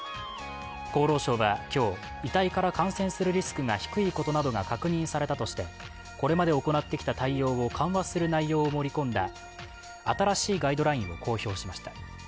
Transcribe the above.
厚労省は今日、遺体から感染するリスクが低いことなどが確認されたとしてこれまで行ってきた対応を緩和する内容を盛り込んだ新しいガイドラインを公表しました。